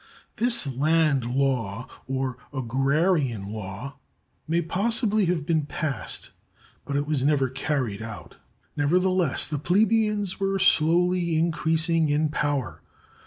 This land law, or Agrarian Law, may possibly have been passed, but it was never carried out. Nevertheless, the plebeians were slowly increasing in power.